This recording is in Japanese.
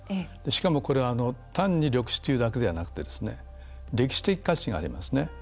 しかも、これは単に緑地というだけでなくてですね歴史的価値がありますね。